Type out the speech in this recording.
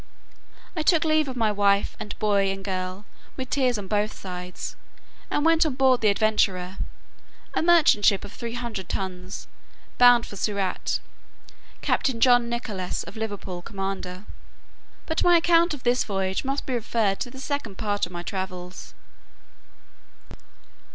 I took leave of my wife, and boy and girl, with tears on both sides, and went on board the Adventure, a merchant ship of three hundred tons, bound for Surat, captain John Nicholas, of Liverpool, commander. But my account of this voyage must be referred to the Second Part of my Travels.